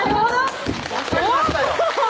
分かりましたよ！